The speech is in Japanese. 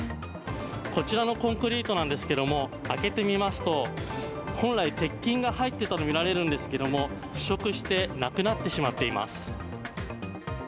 こちらのコンクリートなんですけども、開けてみますと本来、鉄筋が入っていたとみられるんですけど腐食して、なくなってしまっています。